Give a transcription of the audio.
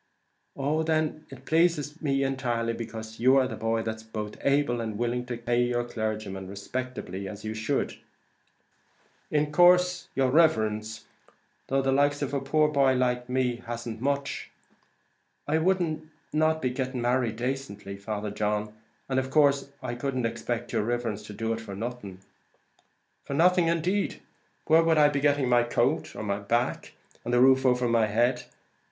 "Oh then it pleases me entirely, because you are the boy that's both able and willing to pay your clergyman respectably as you should " "In course, your riverence, though the likes of a poor boy like me hasn't much, I wouldn't not be married dacently, Father John; and in course I couldn't expect yer riverence to be doing it for nothing." "For nothing indeed! Where would I be getting the coat on my back, and the roof over my head?